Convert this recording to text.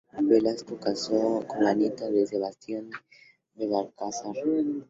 Velasco casó con la nieta de Sebastián de Belalcázar.